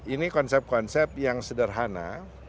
ini konsep konsep yang sederhana